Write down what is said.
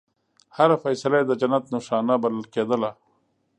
هره فیصله یې د جنت نښانه بلل کېدله.